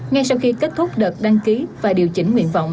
ngay sau khi kết thúc đợt đăng ký và điều chỉnh